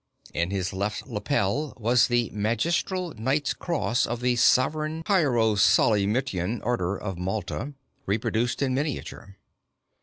In his left lapel was the Magistral Knight's Cross of the Sovereign Hierosolymitan Order of Malta, reproduced in miniature.